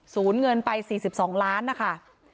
เงินไป๔๒ล้านนะคะ